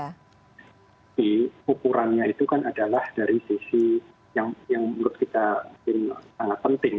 jadi ukurannya itu kan adalah dari sisi yang menurut kita sangat penting